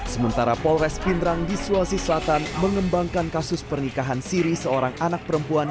sementara polres pindrang di sulawesi selatan mengembangkan kasus pernikahan siri seorang anak perempuan